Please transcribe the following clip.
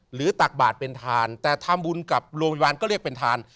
ตักบาทเป็นทานแต่ทำบุญกับโรงพยาบาลก็เรียกเป็นทาน